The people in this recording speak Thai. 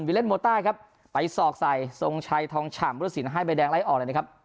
เล่นโมต้าครับไปศอกใส่ทรงชัยทองฉ่ำรุสินให้ใบแดงไล่ออกเลยนะครับ